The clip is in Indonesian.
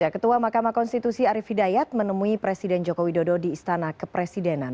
ketua mahkamah konstitusi arief hidayat menemui presiden joko widodo di istana kepresidenan